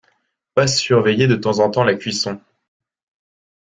Passe surveiller de temps en temps la cuisson.